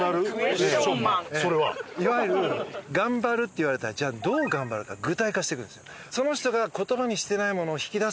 いわゆる「頑張る」って言われたらじゃあどう頑張るか具体化していくんですよ。っていうのが自分が。